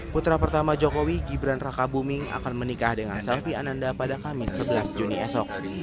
putra pertama jokowi gibran raka buming akan menikah dengan selvi ananda pada kamis sebelas juni esok